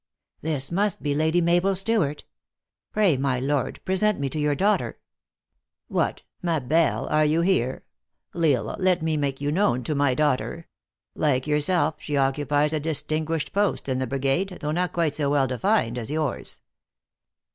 "This must be Lady Mabel Stewart. Pray, my lord, psesent me to your daughter." "What, Ma Belle, are you here? L Isle, let me THE ACTEESS IN HIGH LIFE. 41 make you known to my daughter. Like yourself, she occupies a distinguished post in the brigade, though not quite so well defined as yours."